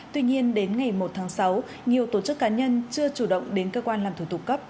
tuy nhiên đến ngày một tháng sáu nhiều tổ chức cá nhân chưa chủ động đến cơ quan làm thủ tục cấp